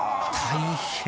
大変。